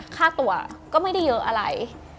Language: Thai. ค่าตัวก็ไม่ได้เยอะอะไร